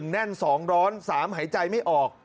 แน่น๒ร้อน๓หายใจไม่ออก